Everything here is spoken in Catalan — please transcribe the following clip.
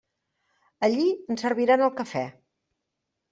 Allí ens serviran el cafè.